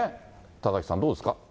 田崎さん、どうですか？